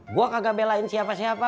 gue kagak belain siapa siapa